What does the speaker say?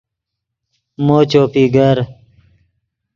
مو چوپی گر